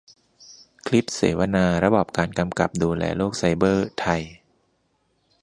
คลิปเสวนา : ระบอบการกำกับดูแลโลกไซเบอร์ไทย